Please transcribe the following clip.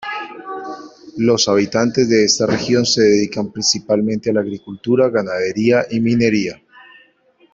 Los habitantes de esta región se dedican principalmente a la agricultura, ganadería y minería.